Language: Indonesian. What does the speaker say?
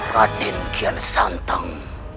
raden kian santang